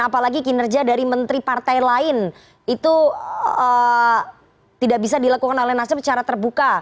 apalagi kinerja dari menteri partai lain itu tidak bisa dilakukan oleh nasdem secara terbuka